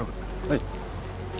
はい。